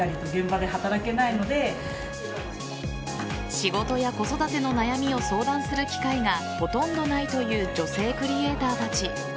仕事や子育ての悩みを相談する機会がほとんどないという女性クリエイターたち。